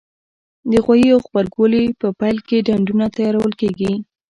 د غويي او غبرګولي په پیل کې ډنډونه تیارول کېږي.